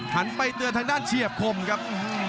ไปเตือนทางด้านเฉียบคมครับ